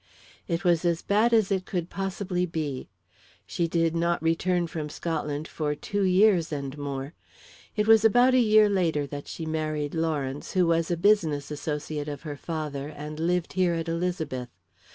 "It was as bad as it could possibly be. She did not return from Scotland for two years and more. It was about a year later that she married Lawrence, who was a business associate of her father, and lived here at Elizabeth.